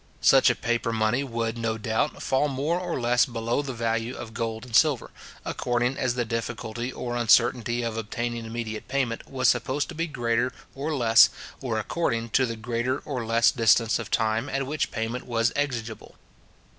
Such a paper money would, no doubt, fall more or less below the value of gold and silver, according as the difficulty or uncertainty of obtaining immediate payment was supposed to be greater or less, or according to the greater or less distance of time at which payment was exigible.